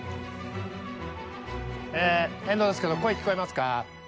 え遠藤ですけど声聞こえますか？